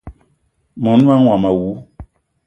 Mon manga womo awou!